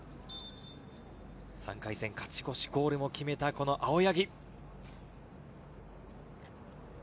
３回戦、勝ち越しゴールも決めた青柳。